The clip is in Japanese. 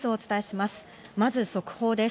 まず速報です。